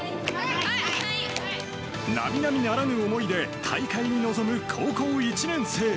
なみなみならぬ思いで、大会に臨む高校１年生。